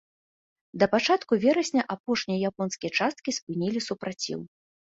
Да пачатку верасня апошнія японскія часткі спынілі супраціў.